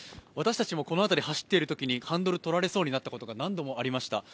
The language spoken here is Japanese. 私たちもこの辺り走っているときにハンドルをとられそうになったことが何度もありました。